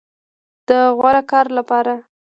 د غوره کار لپاره